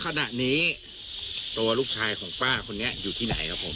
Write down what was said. ขณะนี้ตัวลูกชายของป้าคนนี้อยู่ที่ไหนครับผม